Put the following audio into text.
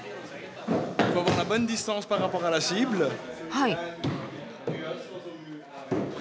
はい。